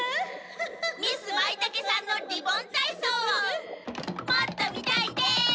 ミス・マイタケさんのリボンたいそうをもっと見たいです！